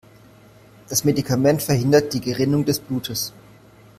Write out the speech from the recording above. Das Medikament verhindert die Gerinnung des Blutes.